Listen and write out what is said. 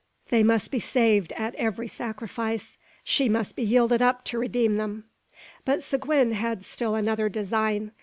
They must be saved at every sacrifice; she must be yielded up to redeem them. But Seguin had still another design.